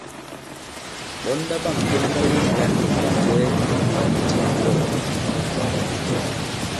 Ɓɔ̌n ɓa ɓâŋkon ɓa yege ŋgǎn i minjɛ̀ɛ i ipènèk di i mbɔ̄k.